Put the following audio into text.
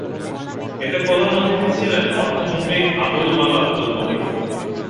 এতে প্রধান অতিথি ছিলেন অর্থমন্ত্রী আবুল মাল আবদুল মুহিত।